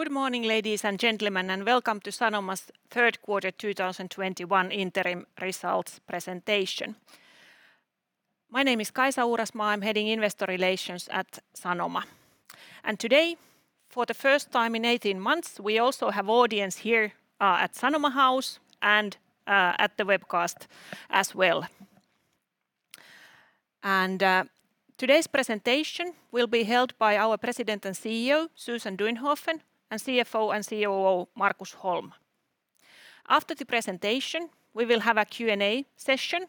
Good morning, ladies and gentlemen, and welcome to Sanoma's Third Quarter 2021 Interim Results presentation. My name is Kaisa Uurasmaa. I'm heading Investor Relations at Sanoma. Today, for the first time in 18 months, we also have audience here at Sanoma House and at the webcast as well. Today's presentation will be held by our President and CEO, Susan Duinhoven, and CFO and COO, Markus Holm. After the presentation, we will have a Q&A session.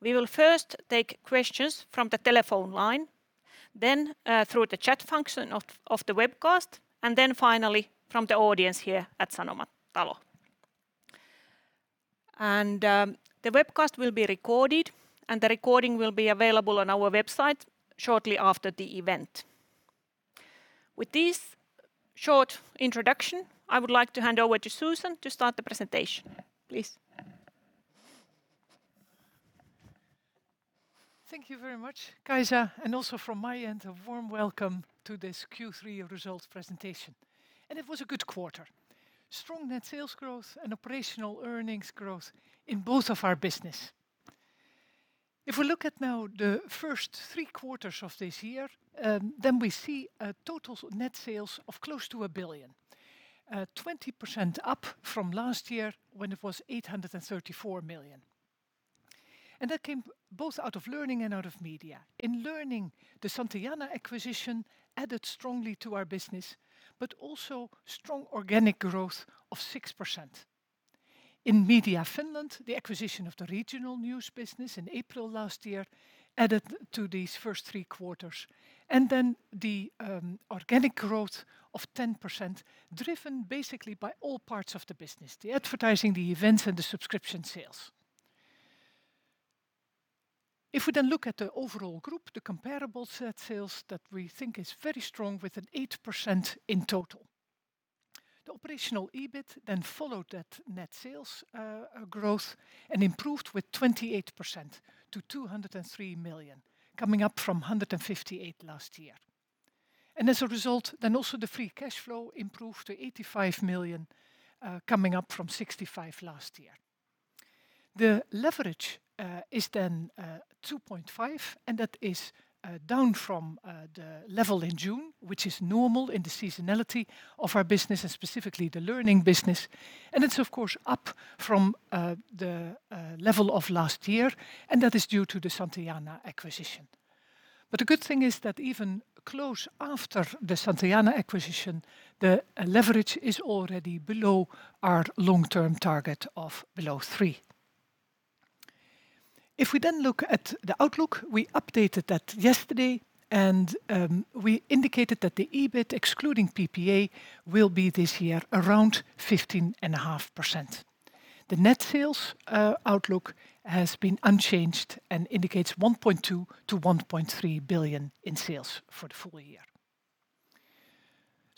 We will first take questions from the telephone line, then through the chat function of the webcast, and then finally from the audience here at Sanoma House. The webcast will be recorded, and the recording will be available on our website shortly after the event. With this short introduction, I would like to hand over to Susan to start the presentation. Please. Thank you very much, Kaisa. Also from my end, a warm welcome to this Q3 results presentation. It was a good quarter. Strong net sales growth and operational earnings growth in both of our business. If we look at now the first three quarters of this year, then we see a total net sales of close to 1 billion, 20% up from last year when it was 834 million. That came both out of Learning and out of Media. In Learning, the Santillana acquisition added strongly to our business, but also strong organic growth of 6%. In Media Finland, the acquisition of the regional news business in April last year added to these first three quarters, and then the organic growth of 10% driven basically by all parts of the business, the advertising, the events, and the subscription sales. If we then look at the overall group, the comparable net sales that we think is very strong with an 8% in total. The operational EBIT then followed that net sales growth and improved with 28% to 203 million, coming up from 158 million last year. As a result, then also the free cash flow improved to 85 million, coming up from 65 million last year. The leverage is then 2.5, and that is down from the level in June, which is normal in the seasonality of our business, and specifically the Learning business. It's of course up from the level of last year, and that is due to the Santillana acquisition. The good thing is that even close after the Santillana acquisition, the leverage is already below our long-term target of below three. If we then look at the outlook, we updated that yesterday, and we indicated that the EBIT excluding PPA will be this year around 15.5%. The net sales outlook has been unchanged and indicates 1.2 billion-1.3 billion in sales for the full year.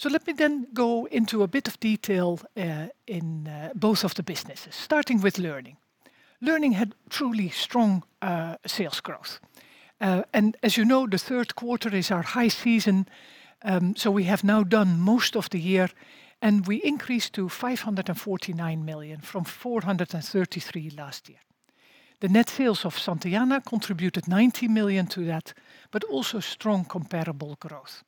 Let me then go into a bit of detail in both of the businesses, starting with Learning. Learning had truly strong sales growth. As you know, the third quarter is our high season, so we have now done most of the year, and we increased to 549 million from 433 million last year. The net sales of Santillana contributed 90 million to that, but also strong comparable growth.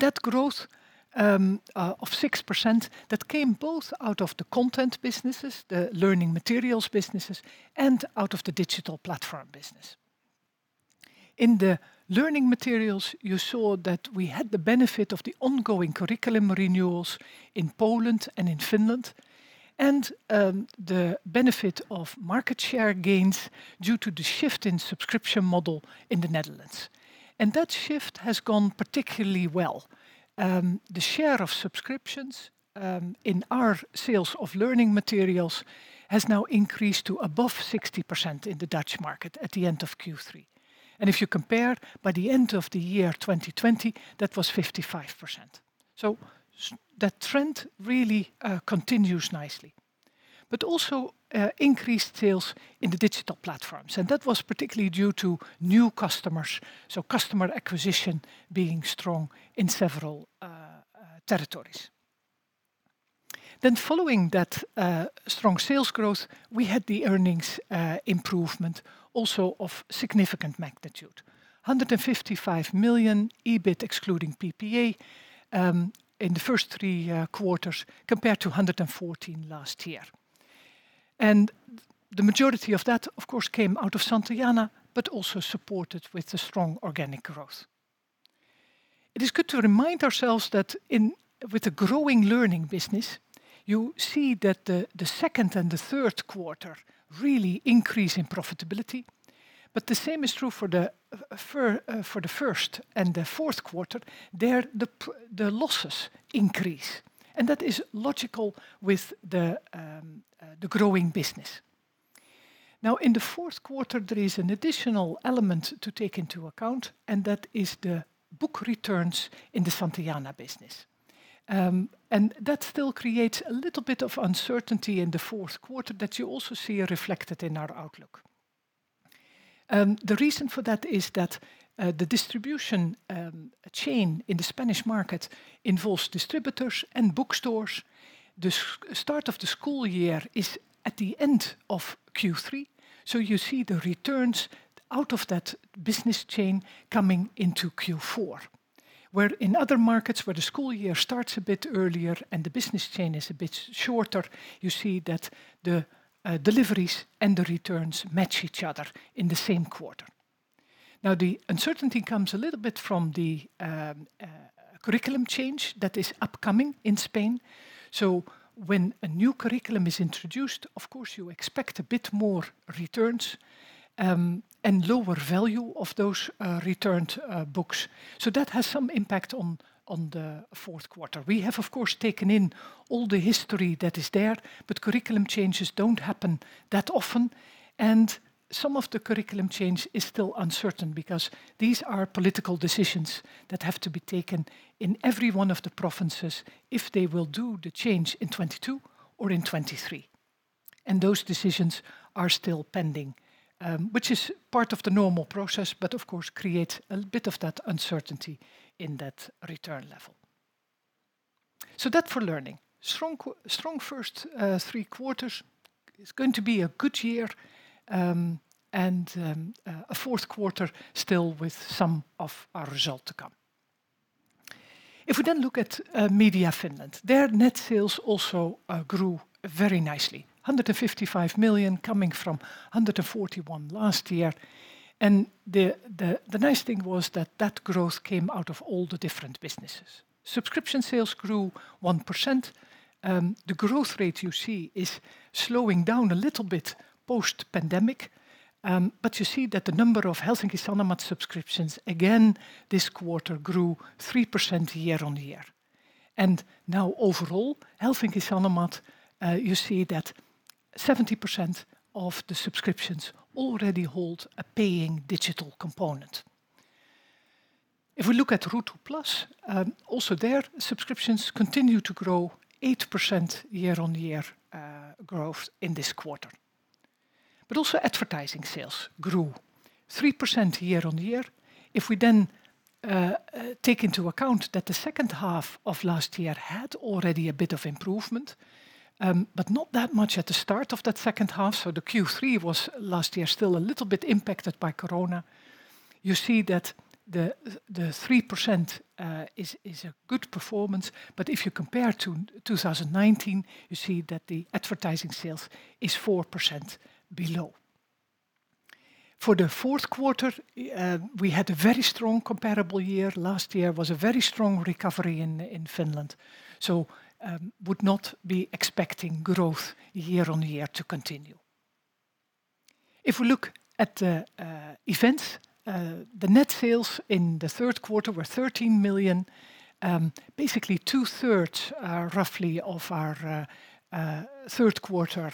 That growth of 6% came both out of the content businesses, the learning materials businesses, and out of the digital platform business. In the learning materials, you saw that we had the benefit of the ongoing curriculum renewals in Poland and in Finland, and the benefit of market share gains due to the shift in subscription model in the Netherlands. That shift has gone particularly well. The share of subscriptions in our sales of learning materials has now increased to above 60% in the Dutch market at the end of Q3. If you compare, by the end of the year 2020, that was 55%. That trend really continues nicely. Also, increased sales in the digital platforms, and that was particularly due to new customers, so customer acquisition being strong in several territories. Following that strong sales growth, we had the earnings improvement also of significant magnitude. 155 million EBIT excluding PPA in the first three quarters compared to 114 million last year. The majority of that, of course, came out of Santillana, but also supported with the strong organic growth. It is good to remind ourselves that with a growing Learning business, you see that the second and the third quarter really increase in profitability. The same is true for the first and the fourth quarter. There, the losses increase, and that is logical with the growing business. Now, in the fourth quarter, there is an additional element to take into account, and that is the book returns in the Santillana business. That still creates a little bit of uncertainty in the fourth quarter that you also see reflected in our outlook. The reason for that is that the distribution chain in the Spanish market involves distributors and bookstores. The start of the school year is at the end of Q3, so you see the returns out of that business chain coming into Q4. Where in other markets, where the school year starts a bit earlier and the business chain is a bit shorter, you see that the deliveries and the returns match each other in the same quarter. Now, the uncertainty comes a little bit from the curriculum change that is upcoming in Spain. When a new curriculum is introduced, of course, you expect a bit more returns and lower value of those returned books. That has some impact on the fourth quarter. We have, of course, taken in all the history that is there, but curriculum changes don't happen that often, and some of the curriculum change is still uncertain because these are political decisions that have to be taken in every one of the provinces if they will do the change in 2022 or in 2023. Those decisions are still pending, which is part of the normal process, but of course create a bit of that uncertainty in that return level. That's for Learning. Strong first three quarters. It's going to be a good year, and a fourth quarter still with some of our result to come. If we then look at Media Finland, their net sales also grew very nicely. 155 million coming from 141 million last year. The nice thing was that growth came out of all the different businesses. Subscription sales grew 1%. The growth rate you see is slowing down a little bit post-pandemic, but you see that the number of Helsingin Sanomat subscriptions, again, this quarter grew 3% year-over-year. Now overall, Helsingin Sanomat, you see that 70% of the subscriptions already hold a paying digital component. If we look at Ruutu+, also their subscriptions continue to grow 8% year-over-year, growth in this quarter. Also advertising sales grew 3% year-over-year. If we then take into account that the second half of last year had already a bit of improvement, but not that much at the start of that second half, so the Q3 was last year still a little bit impacted by corona. You see that the 3% is a good performance, but if you compare to 2019, you see that the advertising sales is 4% below. For the fourth quarter, we had a very strong comparable year. Last year was a very strong recovery in Finland. We would not be expecting growth year-on-year to continue. If we look at Events, the net sales in the third quarter were 13 million, basically two-thirds, roughly of our third quarter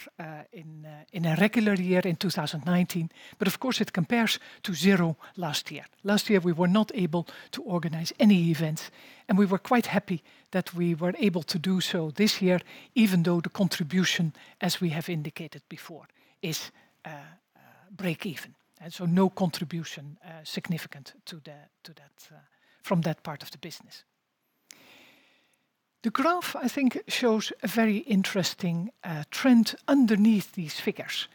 in a regular year in 2019. Of course it compares to zero last year. Last year, we were not able to organize any events, and we were quite happy that we were able to do so this year, even though the contribution, as we have indicated before, is break even. No contribution significant to that from that part of the business. The graph, I think, shows a very interesting trend underneath these figures.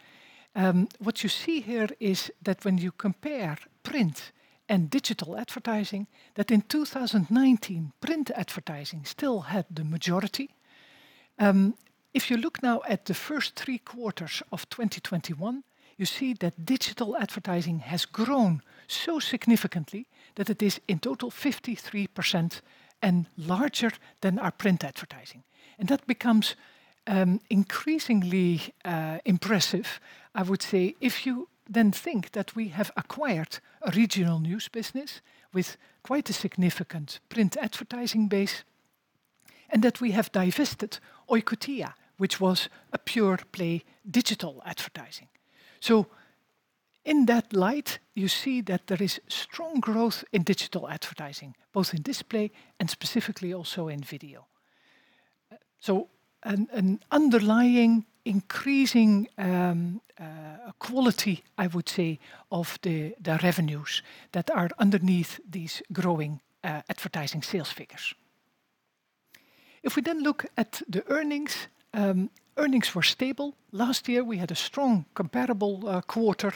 What you see here is that when you compare print and digital advertising, that in 2019, print advertising still had the majority. If you look now at the first three quarters of 2021, you see that digital advertising has grown so significantly that it is in total 53% and larger than our print advertising. That becomes increasingly impressive, I would say, if you then think that we have acquired a regional news business with quite a significant print advertising base, and that we have divested Oikotie, which was a pure play digital advertising. In that light, you see that there is strong growth in digital advertising, both in display and specifically also in video. An underlying increasing quality, I would say, of the revenues that are underneath these growing advertising sales figures. If we then look at the earnings were stable. Last year, we had a strong comparable quarter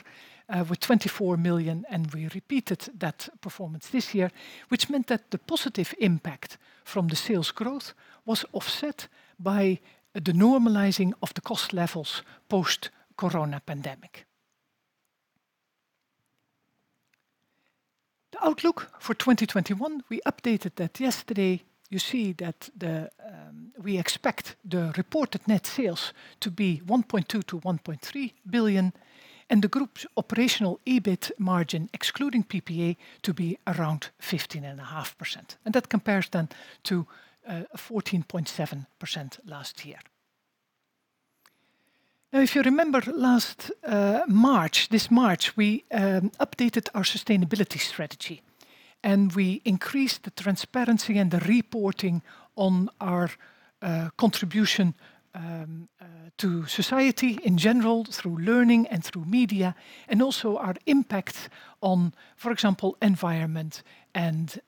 with 24 million, and we repeated that performance this year, which meant that the positive impact from the sales growth was offset by the normalizing of the cost levels post-corona pandemic. The outlook for 2021, we updated that yesterday. You see that we expect the reported net sales to be 1.2 billion-1.3 billion, and the group's operational EBIT margin, excluding PPA, to be around 15.5%. That compares then to 14.7% last year. Now, if you remember last March, this March, we updated our sustainability strategy, and we increased the transparency and the reporting on our contribution to society in general through learning and through media, and also our impact on, for example, environment and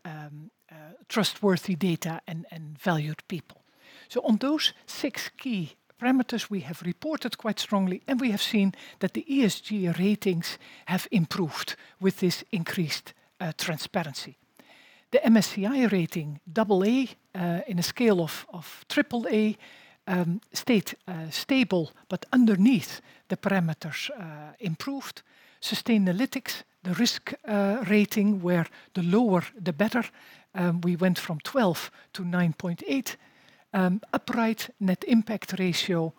trustworthy data and valued people. On those six key parameters, we have reported quite strongly, and we have seen that the ESG ratings have improved with this increased transparency. The MSCI rating AA in a scale of AAA stayed stable, but underneath the parameters improved. Sustainalytics, the risk rating where the lower the better, we went from 12 to 9.8. Upright Net Impact Ratio,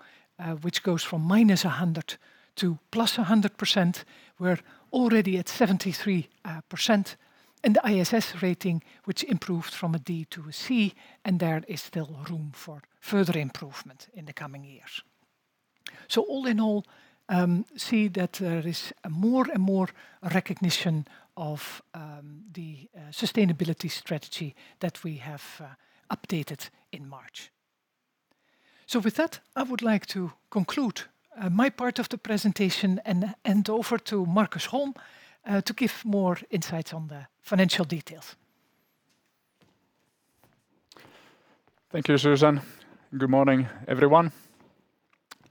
which goes from -100% to +100%, we're already at 73%. The ISS rating, which improved from a D to a C, and there is still room for further improvement in the coming years. All in all, see that there is more and more recognition of the sustainability strategy that we have updated in March. With that, I would like to conclude my part of the presentation and hand over to Markus Holm to give more insights on the financial details. Thank you, Susan. Good morning, everyone.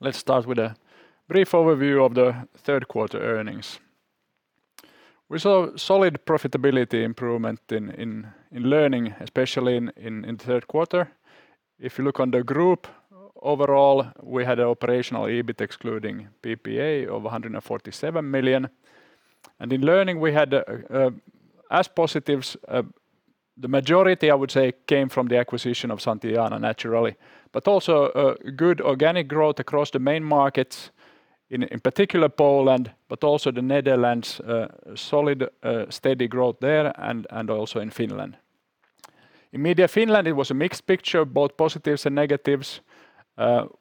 Let's start with a brief overview of the third quarter earnings. We saw solid profitability improvement in Learning, especially in third quarter. If you look on the group overall, we had operational EBIT excluding PPA of 147 million. In Learning we had as positives, the majority I would say came from the acquisition of Santillana naturally. Also good organic growth across the main markets, in particular Poland, but also the Netherlands, solid steady growth there and also in Finland. In Media Finland, it was a mixed picture, both positives and negatives.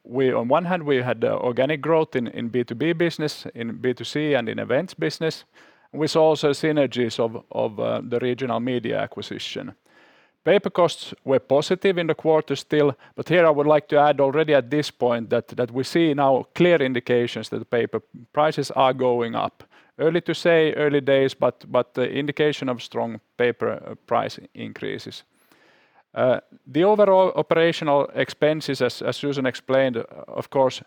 We on one hand, we had organic growth in B2B business, in B2C, and in events business. We saw also synergies of the regional media acquisition. Paper costs were positive in the quarter still, but here I would like to add already at this point that we see now clear indications that paper prices are going up. Early to say, early days, but the indication of strong paper price increases. The overall operational expenses, as Susan explained, of course,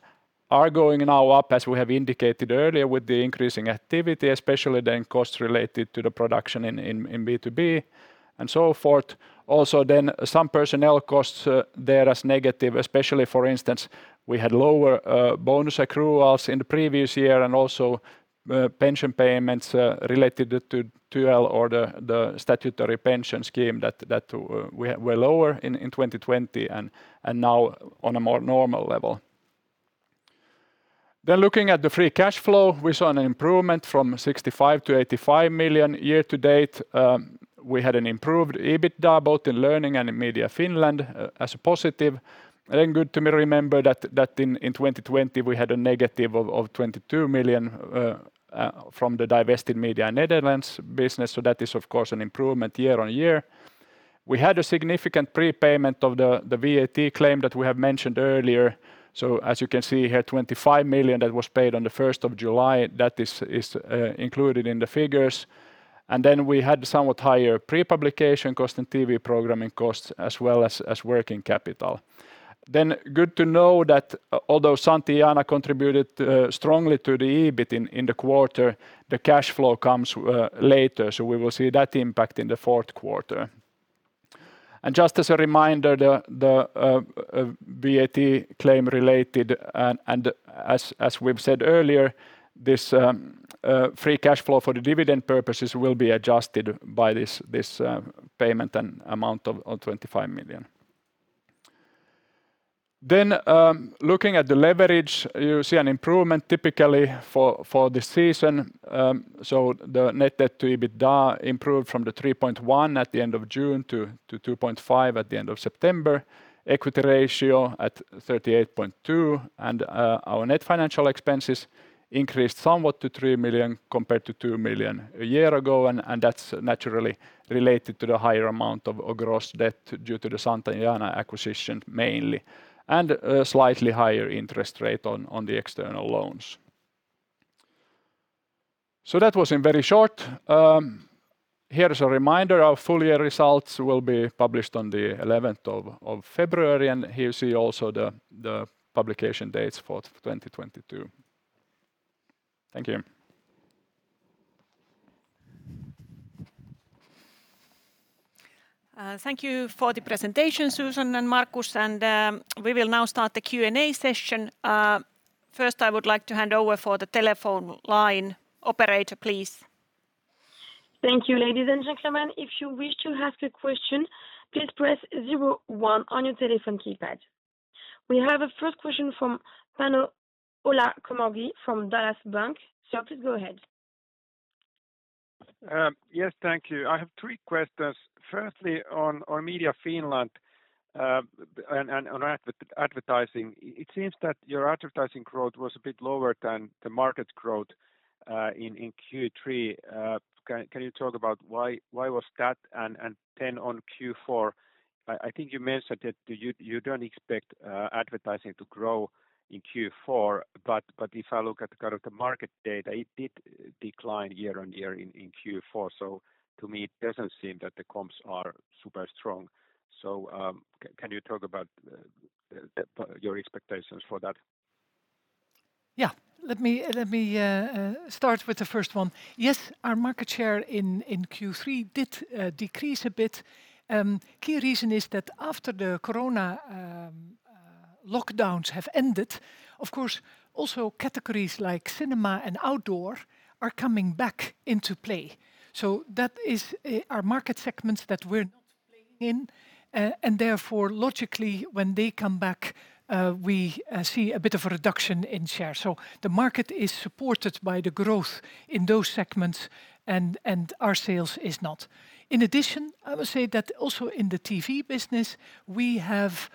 are going now up as we have indicated earlier with the increasing activity, especially then costs related to the production in B2B and so forth. Also then some personnel costs there as negative, especially for instance, we had lower bonus accruals in the previous year and also pension payments related to TyEL or the statutory pension scheme that we were lower in 2020 and are now on a more normal level. Looking at the free cash flow, we saw an improvement from 65 million-85 million year to date. We had an improved EBITDA both in Learning and in Media Finland as a positive. Good to remember that in 2020 we had a negative of 22 million from the divested Media Netherlands business, so that is of course an improvement year on year. We had a significant prepayment of the VAT claim that we have mentioned earlier. As you can see here, 25 million that was paid on the first of July, that is included in the figures. We had somewhat higher pre-publication cost and TV programming costs as well as working capital. Good to know that although Santillana contributed strongly to the EBIT in the quarter, the cash flow comes later. We will see that impact in the fourth quarter. Just as a reminder, the VAT claim related and as we've said earlier, this free cash flow for the dividend purposes will be adjusted by this payment and amount of 25 million. Looking at the leverage, you see an improvement typically for this season. The net debt to EBITDA improved from the 3.1% at the end of June to 2.5% at the end of September. Equity ratio at 38.2%. Our net financial expenses increased somewhat to 3 million compared to 2 million a year ago, and that's naturally related to the higher amount of gross debt due to the Santillana acquisition mainly, a slightly higher interest rate on the external loans. That was in very short. Here is a reminder, our full year results will be published on the eleventh of February, and here you see also the publication dates for 2022. Thank you. Thank you for the presentation, Susan and Markus. We will now start the Q&A session. First, I would like to hand over to the telephone line. Operator, please. Thank you, ladies and gentlemen. If you wish to ask a question, please press zero one on your telephone keypad. We have a first question from Olli Koponen [inaudible] from Danske Bank. Sir, please go ahead. Yes, thank you. I have three questions. Firstly, on Media Finland and on advertising, it seems that your advertising growth was a bit lower than the market growth in Q3. Can you talk about why that was? On Q4, I think you mentioned that you don't expect advertising to grow in Q4, but if I look at kind of the market data, it did decline year-over-year in Q4. To me, it doesn't seem that the comps are super strong. Can you talk about your expectations for that? Yeah. Let me start with the first one. Yes, our market share in Q3 did decrease a bit. Key reason is that after the Corona lockdowns have ended, of course, also categories like cinema and outdoor are coming back into play. That is our market segments that we're not playing in. Therefore, logically, when they come back, we see a bit of a reduction in share. The market is supported by the growth in those segments and our sales is not. In addition, I would say that also in the TV business, we have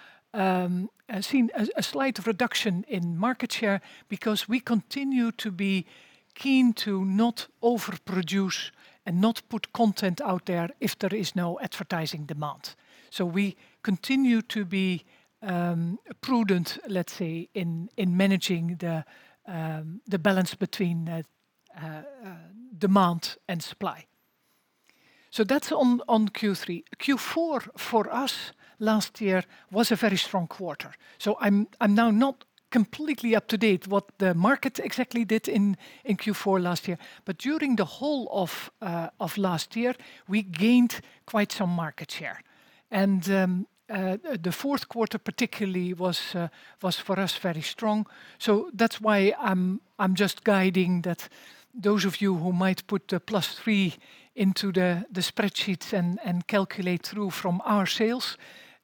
seen a slight reduction in market share because we continue to be keen to not overproduce and not put content out there if there is no advertising demand. We continue to be prudent, let's say, in managing the balance between the demand and supply. That's on Q3. Q4 for us last year was a very strong quarter. I'm now not completely up to date what the market exactly did in Q4 last year. But during the whole of last year, we gained quite some market share. The fourth quarter particularly was for us very strong. That's why I'm just guiding that those of you who might put the +3 into the spreadsheets and calculate through from our sales,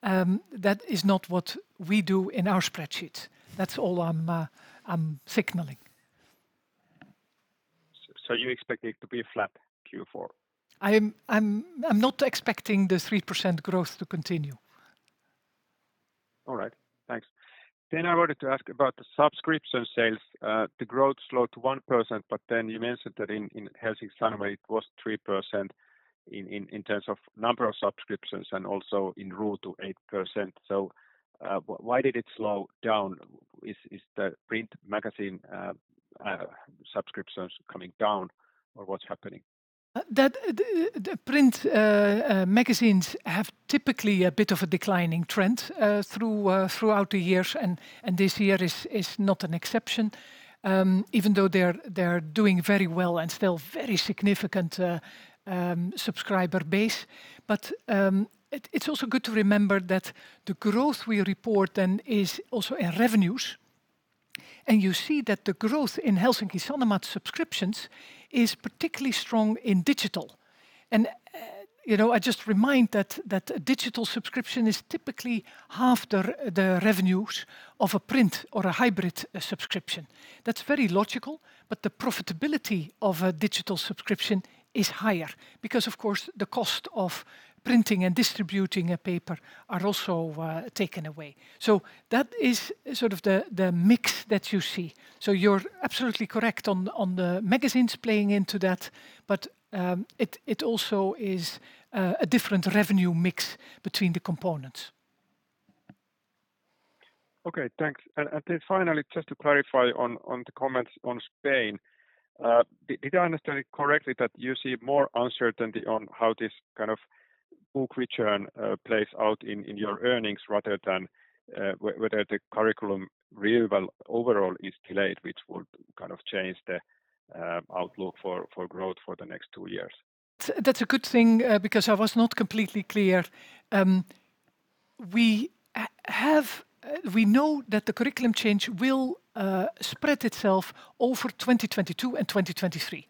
that is not what we do in our spreadsheets. That's all I'm signaling. You expect it to be flat Q4? I'm not expecting the 3% growth to continue. All right. Thanks. I wanted to ask about the subscription sales. The growth slowed to 1%, but then you mentioned that in Helsingin Sanomat it was 3% in terms of number of subscriptions and also in Ruutu 8%. Why did it slow down? Is the print magazine subscriptions coming down or what's happening? The print magazines have typically a bit of a declining trend throughout the years, and this year is not an exception. Even though they're doing very well and still very significant subscriber base. It's also good to remember that the growth we report then is also in revenues. You see that the growth in Helsingin Sanomat subscriptions is particularly strong in digital. You know, I just remind that digital subscription is typically half the revenues of a print or a hybrid subscription. That's very logical, but the profitability of a digital subscription is higher because, of course, the cost of printing and distributing a paper are also taken away. That is sort of the mix that you see. You're absolutely correct on the magazines playing into that, but it also is a different revenue mix between the components. Okay, thanks. Finally, just to clarify on the comments on Spain, did I understand it correctly that you see more uncertainty on how this kind of book return plays out in your earnings rather than whether the curriculum renewal overall is delayed, which would kind of change the outlook for growth for the next two years? That's a good thing, because I was not completely clear. We know that the curriculum change will spread itself over 2022 and 2023.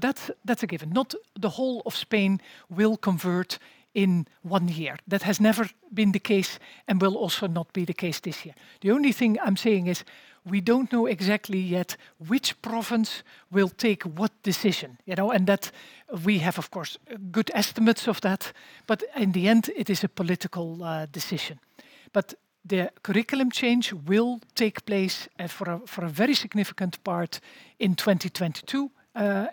That's a given. Not the whole of Spain will convert in one year. That has never been the case and will also not be the case this year. The only thing I'm saying is we don't know exactly yet which province will take what decision, you know, and that we have, of course, good estimates of that, but in the end, it is a political decision. The curriculum change will take place for a very significant part in 2022,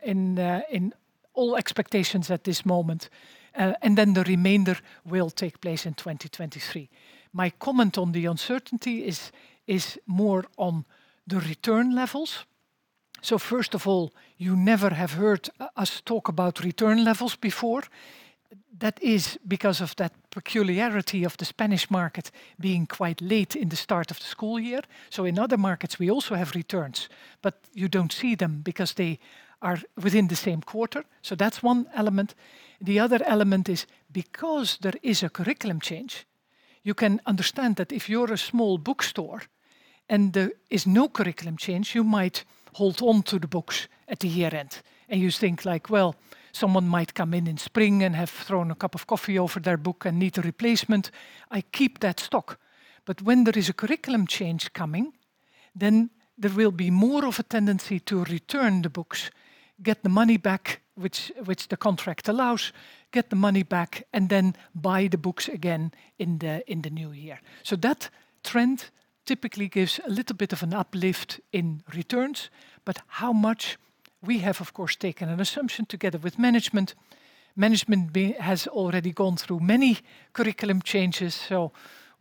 in all expectations at this moment, and then the remainder will take place in 2023. My comment on the uncertainty is more on the return levels. First of all, you never have heard us talk about return levels before. That is because of that peculiarity of the Spanish market being quite late in the start of the school year. In other markets, we also have returns, but you don't see them because they are within the same quarter. That's one element. The other element is because there is a curriculum change, you can understand that if you're a small bookstore and there is no curriculum change, you might hold on to the books at the year-end. You think like, "Well, someone might come in in spring and have thrown a cup of coffee over their book and need a replacement. I keep that stock." When there is a curriculum change coming, then there will be more of a tendency to return the books, get the money back, which the contract allows, and then buy the books again in the new year. That trend typically gives a little bit of an uplift in returns, but how much. We have, of course, taken an assumption together with management. Management has already gone through many curriculum changes, so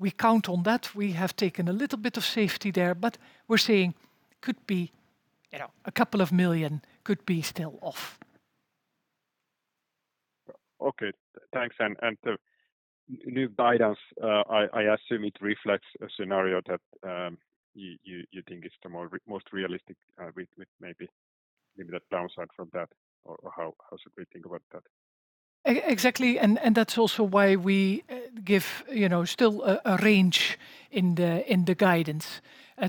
we count on that. We have taken a little bit of safety there, but we're saying could be, you know, a couple of million EUR could be still off. Okay. Thanks. The new guidance, I assume it reflects a scenario that you think is the most realistic, with maybe the downside from that, or how should we think about that? Exactly, and that's also why we give, you know, still a range in the guidance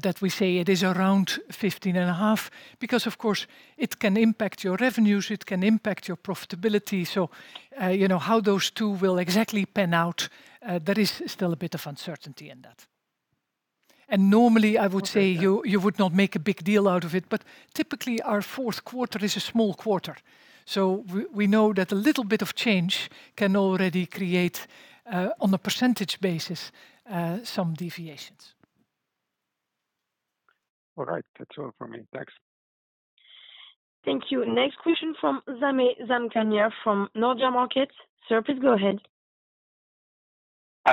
that we say it is around 15.5 because, of course, it can impact your revenues, it can impact your profitability. You know, how those two will exactly pan out, there is still a bit of uncertainty in that. Normally, I would say. Okay. You would not make a big deal out of it, but typically our fourth quarter is a small quarter, so we know that a little bit of change can already create, on a percentage basis, some deviations. All right. That's all from me. Thanks. Thank you. Next question from Sami Sarkamies [inaudible] from Nordea Markets. Sir, please go ahead.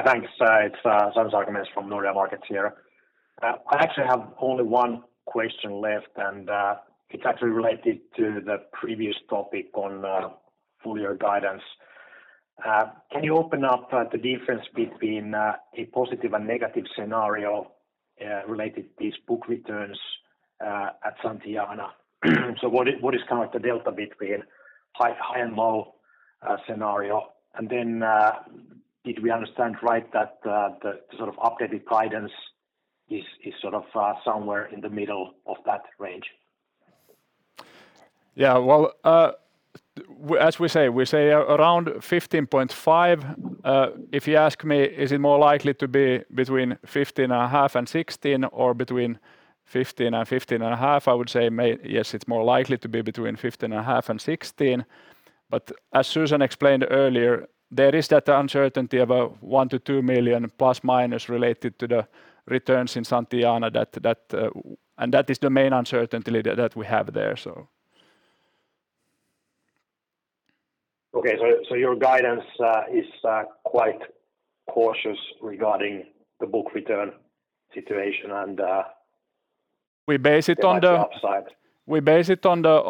Thanks. It's Sami Sarkamies from Nordea Markets here. I actually have only one question left, and it's actually related to the previous topic on full year guidance. Can you open up the difference between a positive and negative scenario related to these book returns at Santillana? So what is kind of the delta between high and low scenario? And then, did we understand right that the sort of updated guidance is sort of somewhere in the middle of that range? Yeah. Well, as we say, around 15.5%. If you ask me, is it more likely to be between 15.5% and 16% or between 15% and 15.5%, I would say yes. It's more likely to be between 15.5% and 16%. As Susan explained earlier, there is that uncertainty about ±1-2 million related to the returns in Santillana. That is the main uncertainty that we have there, so. Okay. Your guidance is quite cautious regarding the book return situation. We base it on the- on the upside. We base it on the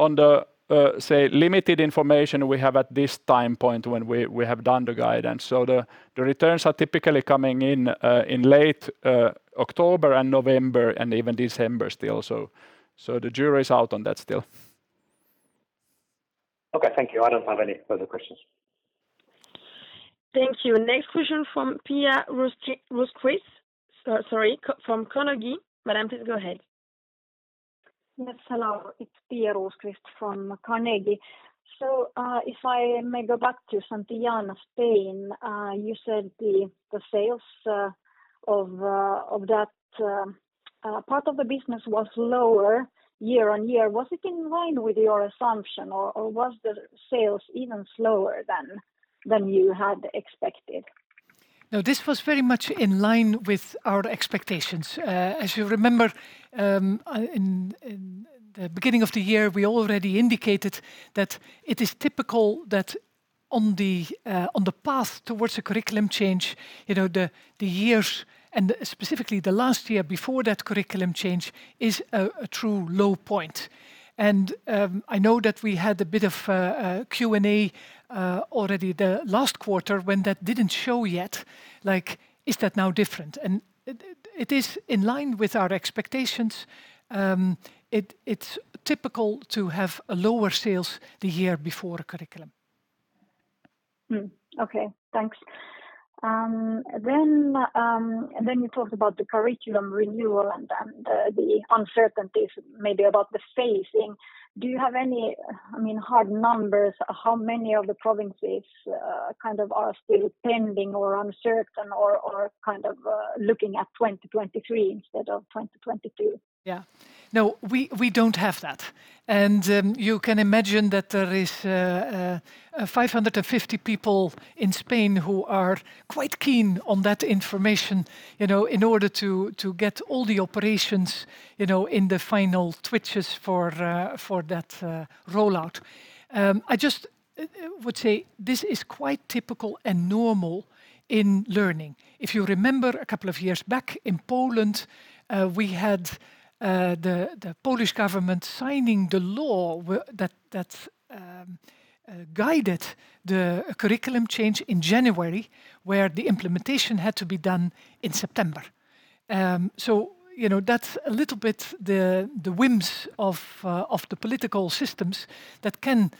limited information we have at this time point when we have done the guidance. The returns are typically coming in late October and November and even December still. The jury is out on that still. Okay. Thank you. I don't have any further questions. Thank you. Next question from Pia Rosqvist from Carnegie. Madam, please go ahead. Yes, hello. It's Pia Rosqvist-Heinsalmi from Carnegie. If I may go back to Santillana, Spain. You said the sales of that part of the business was lower year-on-year. Was it in line with your assumption or was the sales even slower than you had expected? No, this was very much in line with our expectations. As you remember, in the beginning of the year, we already indicated that it is typical that on the path towards a curriculum change, you know, the years and specifically the last year before that curriculum change is a true low point. I know that we had a bit of a Q&A already the last quarter when that didn't show yet. Like, is that now different? It is in line with our expectations. It's typical to have lower sales the year before a curriculum. Okay. Thanks. You talked about the curriculum renewal and then the uncertainties maybe about the phasing. Do you have any, I mean, hard numbers, how many of the provinces kind of are still pending or uncertain or kind of looking at 2023 instead of 2022? Yeah. No, we don't have that. You can imagine that there is 550 people in Spain who are quite keen on that information, you know, in order to get all the operations, you know, in the final twitches for that rollout. I just would say this is quite typical and normal in learning. If you remember a couple of years back in Poland, we had the Polish government signing the law that guided the curriculum change in January, where the implementation had to be done in September. You know, that's a little bit the whims of the political systems that can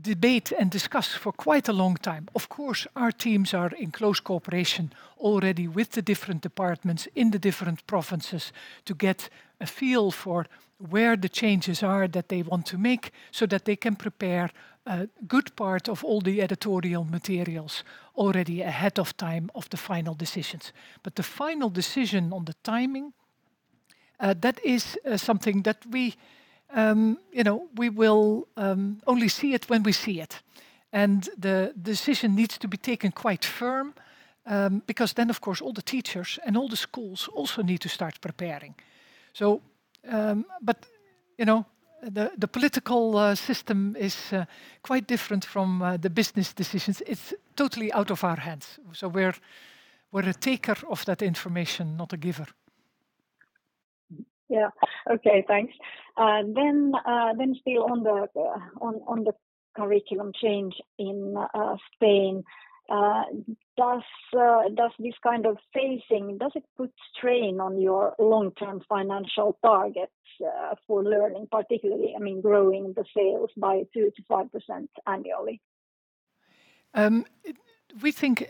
debate and discuss for quite a long time. Of course, our teams are in close cooperation already with the different departments in the different provinces to get a feel for where the changes are that they want to make so that they can prepare a good part of all the editorial materials already ahead of time of the final decisions. The final decision on the timing, that is, something that we, you know, we will only see it when we see it. The decision needs to be taken quite firm, because then, of course, all the teachers and all the schools also need to start preparing. You know, the political system is quite different from the business decisions. It's totally out of our hands. We're a taker of that information, not a giver. Yeah. Okay, thanks. Still on the curriculum change in Spain. Does this kind of phasing put strain on your long-term financial targets for learning, particularly, I mean, growing the sales by 2%-5% annually? We think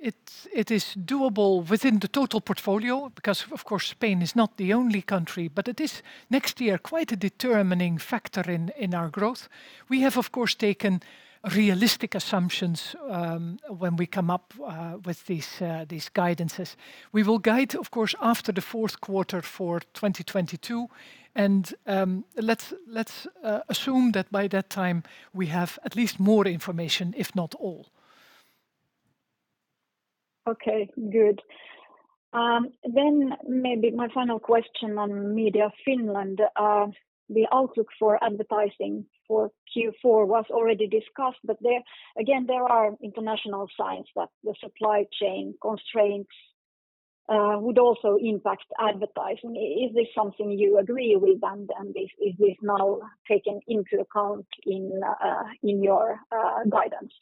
it is doable within the total portfolio because, of course, Spain is not the only country. It is, next year, quite a determining factor in our growth. We have, of course, taken realistic assumptions when we come up with these guidances. We will guide, of course, after the fourth quarter for 2022, and let's assume that by that time we have at least more information, if not all. Okay. Good. Maybe my final question on Media Finland. The outlook for advertising for Q4 was already discussed, but there, again, there are international signs that the supply chain constraints would also impact advertising. Is this something you agree with and is this now taken into account in your guidance?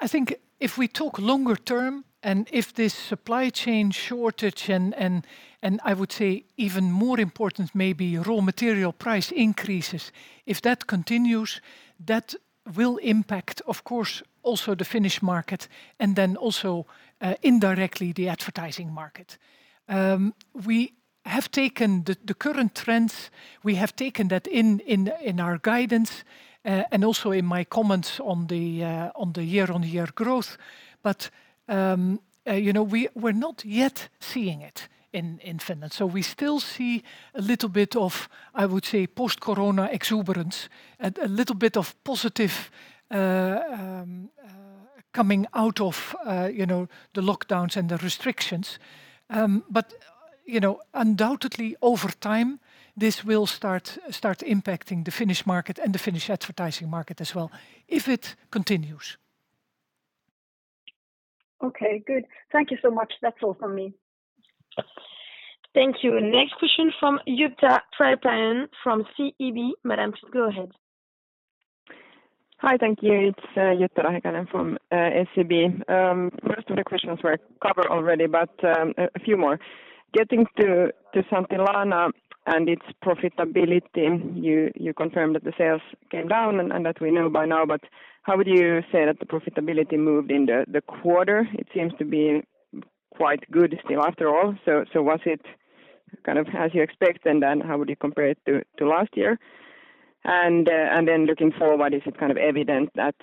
I think if we talk longer term, and if this supply chain shortage and I would say even more important maybe raw material price increases, if that continues, that will impact, of course, also the Finnish market and then also indirectly the advertising market. We have taken the current trends in our guidance, and also in my comments on the year-on-year growth. You know, we're not yet seeing it in Finland. We still see a little bit of, I would say, post-corona exuberance and a little bit of positive coming out of, you know, the lockdowns and the restrictions. You know, undoubtedly over time, this will start impacting the Finnish market and the Finnish advertising market as well, if it continues. Okay. Good. Thank you so much. That's all from me. Thank you. Next question from Jutta Rahikainen from SEB. Madam, go ahead. Hi. Thank you. It's Jutta Rahikainen from SEB. Most of the questions were covered already, but a few more. Getting to Santillana and its profitability, you confirmed that the sales came down and that we know by now. But how would you say that the profitability moved in the quarter? It seems to be quite good still after all. So was it kind of as you expect, and then how would you compare it to last year? And then looking forward, is it kind of evident that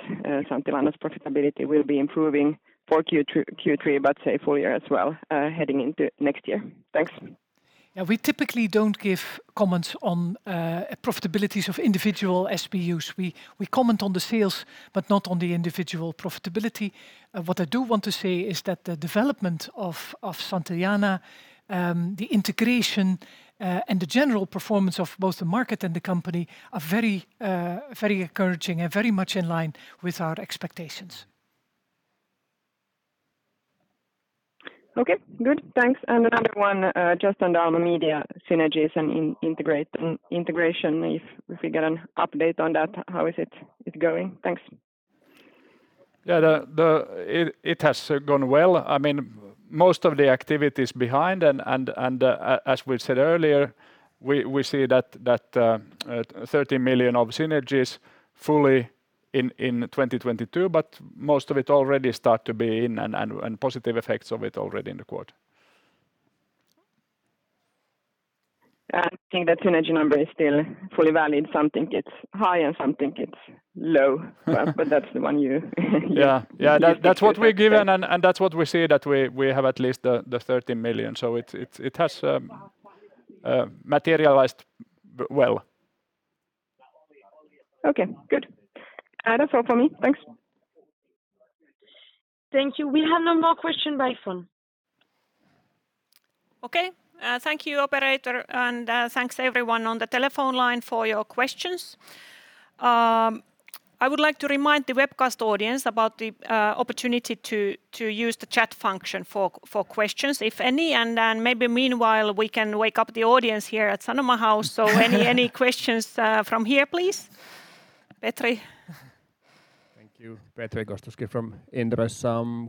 Santillana's profitability will be improving for Q3, but say full year as well, heading into next year? Thanks. Yeah. We typically don't give comments on profitabilities of individual SPU. We comment on the sales, but not on the individual profitability. What I do want to say is that the development of Santillana, the integration, and the general performance of both the market and the company are very encouraging and very much in line with our expectations. Okay. Good. Thanks. Another one, just on Alma Media synergies and integration, if we get an update on that, how is it going? Thanks. Yeah. It has gone well. I mean, most of the activity's behind and as we said earlier, we see that 30 million of synergies fully in 2022, but most of it already start to be in and positive effects of it already in the quarter. You think that synergy number is still fully valid? Some think it's high and some think it's low. But that's the one you Yeah. That's what we've given and that's what we see, that we have at least 30 million. It has materialized well. Okay. Good. That's all from me. Thanks. Thank you. We have no more questions by phone. Okay. Thank you, operator, and thanks everyone on the telephone line for your questions. I would like to remind the webcast audience about the opportunity to use the chat function for questions, if any. Then maybe meanwhile, we can wake up the audience here at Sanoma House. Any questions from here, please? Petri. Thank you. Petri Gostowski from Inderes.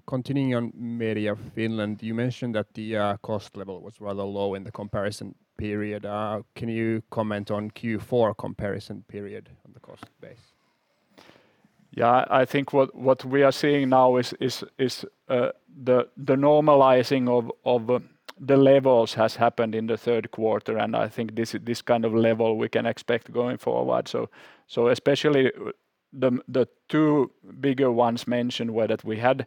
Continuing on Media Finland, you mentioned that the cost level was rather low in the comparison period. Can you comment on Q4 comparison period on the cost base? Yeah. I think what we are seeing now is the normalizing of the levels has happened in the third quarter. I think this kind of level we can expect going forward. Especially the two bigger ones mentioned were that we had,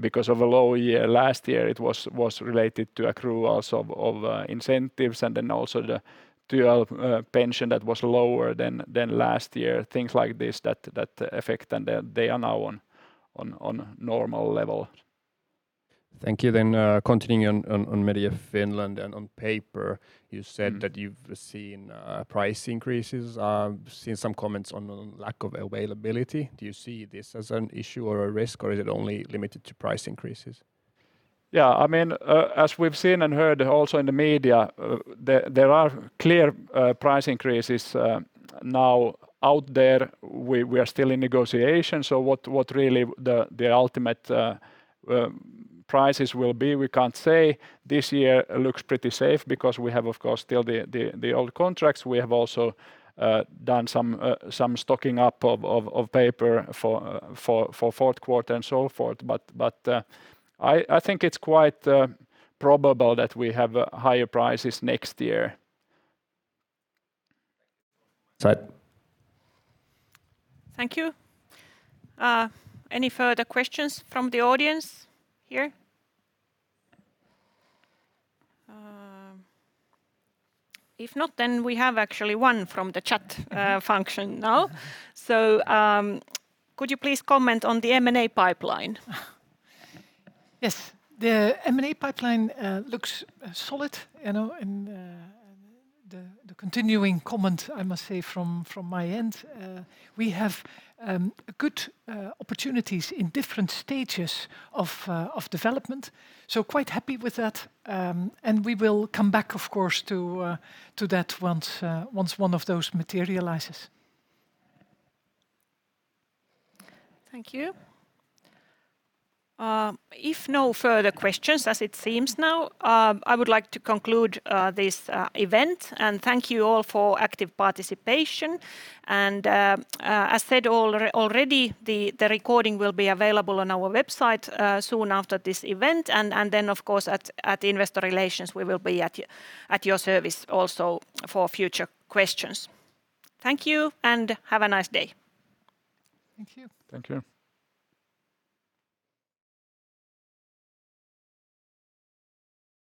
because of a low year last year, it was related to accruals of incentives and then also the pension that was lower than last year. Things like this that affect, and they are now on normal level. Thank you, continuing on Media Finland and on paper you said that you've seen price increases, seen some comments on lack of availability. Do you see this as an issue or a risk, or is it only limited to price increases? Yeah, I mean, as we've seen and heard also in the media, there are clear price increases now out there. We are still in negotiation, so what really the ultimate prices will be, we can't say. This year looks pretty safe because we have, of course, still the old contracts. We have also done some stocking up of paper for fourth quarter and so forth. I think it's quite probable that we have higher prices next year. Right. Thank you. Any further questions from the audience here? If not, then we have actually one from the chat function now. Could you please comment on the M&A pipeline? Yes. The M&A pipeline looks solid, you know, and the continuing comment I must say from my end, we have good opportunities in different stages of development, so quite happy with that. We will come back, of course, to that once one of those materializes. Thank you. If no further questions as it seems now, I would like to conclude this event, and thank you all for active participation. As said already, the recording will be available on our website soon after this event, and then of course at Investor Relations we will be at your service also for future questions. Thank you, and have a nice day. Thank you. Thank you.